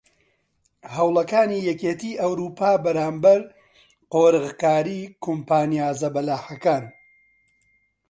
هەوڵەکاتی یەکیەتی ئەوروپا بەرامبەر قۆرغکاری کۆمپانیا زەبەلاحەکان